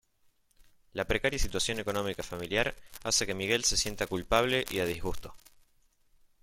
La precaria situación económica familiar hace que Miguel se sienta culpable y a disgusto.